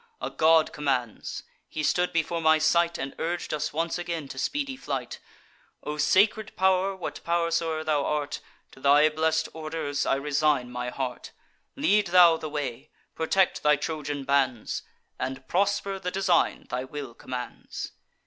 A god commands: he stood before my sight, And urg'd us once again to speedy flight. O sacred pow'r, what pow'r soe'er thou art, To thy blest orders I resign my heart. Lead thou the way; protect thy Trojan bands, And prosper the design thy will commands."